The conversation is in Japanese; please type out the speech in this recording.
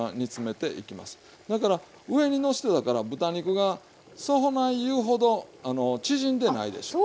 だから上にのしてたから豚肉がそない言うほど縮んでないでしょ。